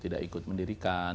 tidak ikut mendirikan